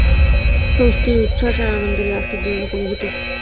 স্বস্তি, উচ্ছ্বাস আর আনন্দের এই আশ্চর্যজনক অনুভূতি।